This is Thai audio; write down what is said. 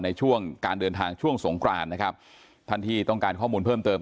ในช่วงการเดินทางช่วงสงครานนะครับท่านที่ต้องการข้อมูลเพิ่มเติม